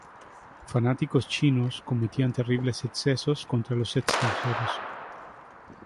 Fanáticos chinos cometían terribles excesos contra los extranjeros.